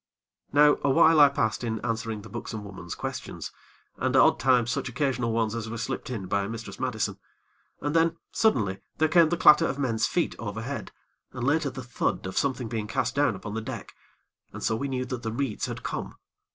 Now awhile I passed in answering the buxom woman's questions, and odd times such occasional ones as were slipped in by Mistress Madison; and then, suddenly there came the clatter of men's feet overhead, and, later, the thud of something being cast down upon the deck, and so we knew that the reeds had come.